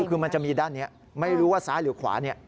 คือมันจะมีด้านนี้ไม่รู้ว่าซ้ายหรือขวาเนี่ย